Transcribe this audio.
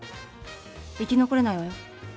生き残れないわよ。